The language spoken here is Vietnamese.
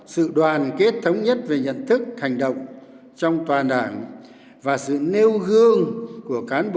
sự đoàn kết thống nhất về nhận thức hành động trong toàn đảng và sự nêu gương của cán bộ